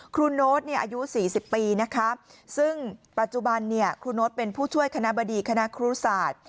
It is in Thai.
ครูโน้ตอายุ๔๐ปีซึ่งปัจจุบันครูโน้ตเป็นผู้ช่วยคณะบดีคณะครูศาสตร์